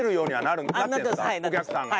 お客さんが。